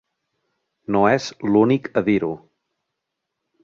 No és l'únic a dir-ho.